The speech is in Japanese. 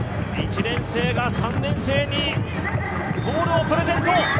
１年生が３年生にボールをプレゼント。